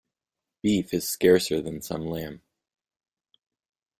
Beef is scarcer than some lamb.